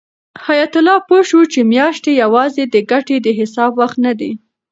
حیات الله پوه شو چې میاشتې یوازې د ګټې د حساب وخت نه دی.